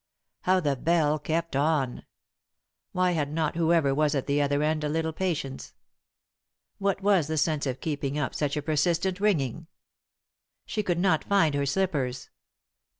How the bell kept on 1 Why had not whoever was at the other end a little patience ? What was the sense of keeping np such a persistent ringing ? She could not find her slippers.